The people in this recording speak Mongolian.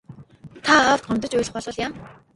Та аавд гомдож уйлах юм болбол яана.